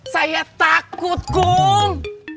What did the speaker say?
saya takut kum